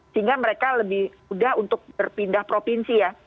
sehingga mereka lebih mudah untuk berpindah provinsi ya